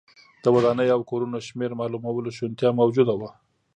د ودانیو او کورونو شمېر معلومولو شونتیا موجوده وه